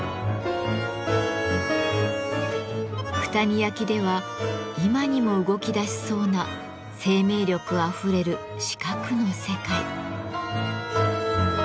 九谷焼では今にも動きだしそうな生命力あふれる四角の世界。